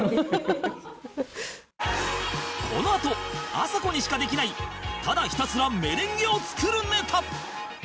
このあとあさこにしかできないただひたすらメレンゲを作るネタ